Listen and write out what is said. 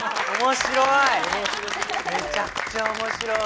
面白い！